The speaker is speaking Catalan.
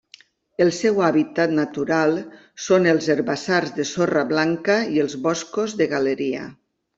El seu hàbitat natural són els herbassars de sorra blanca i els boscos de galeria.